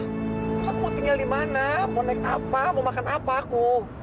terus aku mau tinggal di mana mau naik apa mau makan apa aku